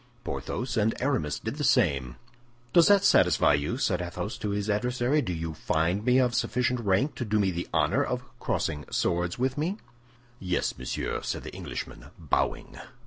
Porthos and Aramis did the same. "Does that satisfy you?" said Athos to his adversary. "Do you find me of sufficient rank to do me the honor of crossing swords with me?" "Yes, monsieur," said the Englishman, bowing.